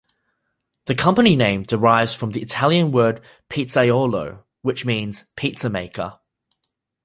The company name derives from the Italian word "pizzaiolo" which means "pizza maker".